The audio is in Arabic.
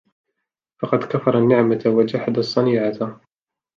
فَقَدْ كَفَرَ النِّعْمَةَ وَجَحَدَ الصَّنِيعَةَ